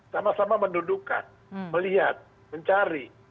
sama sama mendudukan melihat mencari